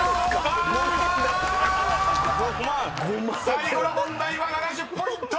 ［最後の問題は７０ポイント！］